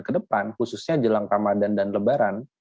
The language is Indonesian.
ke depan khususnya jelang ramadan dan lebaran